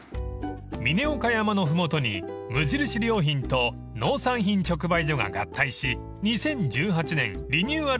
［嶺岡山の麓に無印良品と農産品直売所が合体し２０１８年リニューアル